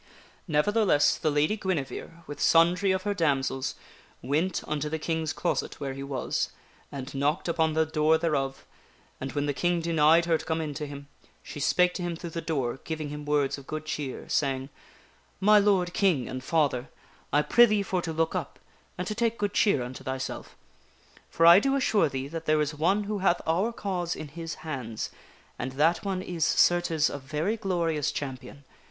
Nevertheless, the Lady Guinevere, with sundry of her damsels, went 126 THE WINNING OF A QUEEN unto the King's closet where he was, and knocked upon the door thereof, I L r j ^ an d when the King: denied her to come in to him, she The Lady Guine . vere cheereth her spake to him through the door, giving him words of good father. cheer, saying :" My lord King and father, I prithee for to look up and to take good cheer unto thyself. For I do assure thee that there is one who hath our cause in his hands, and that one is, certes, a very glorious champion.